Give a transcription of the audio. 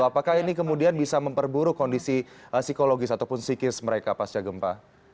apakah ini kemudian bisa memperburuk kondisi psikologis ataupun psikis mereka pasca gempa